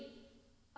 あ